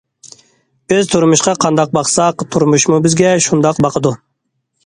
بىز تۇرمۇشقا قانداق باقساق، تۇرمۇشمۇ بىزگە شۇنداق باقىدۇ.